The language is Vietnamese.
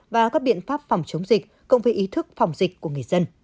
và các biện pháp phòng chống dịch cộng với ý thức phòng dịch của người dân